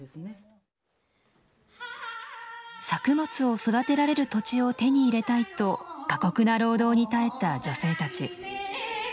作物を育てられる土地を手に入れたいと過酷な労働に耐えた女性たち。